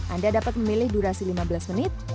anda dapat memilih durasi lima belas menit